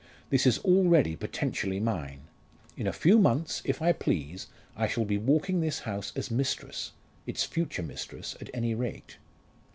This is already potentially mine. In a few months, if I please, I shall be walking this house as mistress its future mistress, at any rate!"